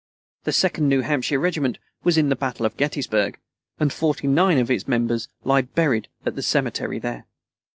The Second New Hampshire regiment was in the battle of Gettysburg, and 49 of its members lie buried in the cemetery there.